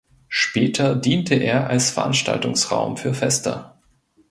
Später diente er als Veranstaltungsraum für Feste.